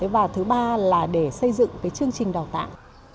và thứ ba là để xây dựng cái chương trình đào tạo